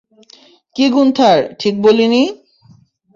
কি গুন্থার, ঠিক বলিনি?